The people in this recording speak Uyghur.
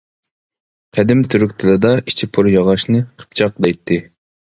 قەدىم تۈرك تىلىدا ئىچى پور ياغاچنى قىپچاق دەيتتى.